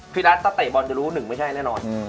นัทถ้าเตะบอลจะรู้หนึ่งไม่ใช่แน่นอน